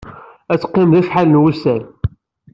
Ad teqqim da acḥal n wussan.